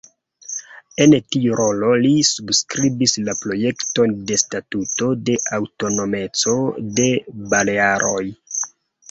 En tiu rolo li subskribis la projekton de Statuto de aŭtonomeco de Balearoj.